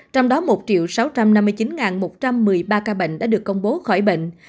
trong đó một sáu trăm năm mươi chín một trăm một mươi ba ca bệnh đã được công bố khỏi bệnh